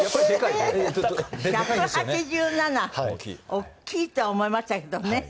大きいとは思いましたけどね。